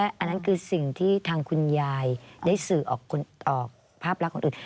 อันนั้นคือสิ่งที่ทางคุณยายได้สื่อออกภาพลักษณ์คนอื่น